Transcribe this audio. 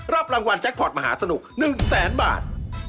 รับรางวัลแจ็คพอร์ตมหาสนุก๑แสนบาท